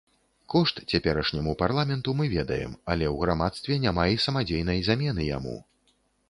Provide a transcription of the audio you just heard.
Кошт цяперашняму парламенту мы ведаем, але ў грамадстве няма і самадзейнай замены яму.